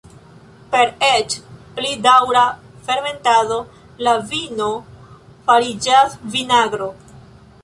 Per eĉ pli daŭra fermentado la vino fariĝas vinagro.